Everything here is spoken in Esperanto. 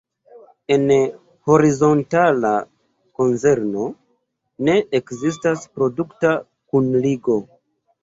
En horizontala konzerno ne ekzistas produkta kunligo.